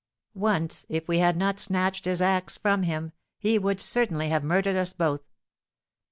Once, if we had not snatched his axe from him, he would certainly have murdered us both.